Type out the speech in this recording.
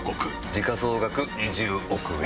時価総額２０億円。